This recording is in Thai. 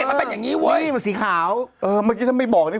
มันเป็นอย่างงี้เว้ยมันสีขาวเออเมื่อกี้ถ้าไม่บอกนี่